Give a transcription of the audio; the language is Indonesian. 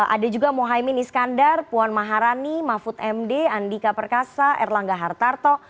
ada juga mohaimin iskandar puan maharani mahfud md andika perkasa erlangga hartarto